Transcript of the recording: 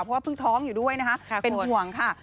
เพราะว่าเพิ่งท้องอยู่ด้วยนะคะเป็นห่วงค่ะ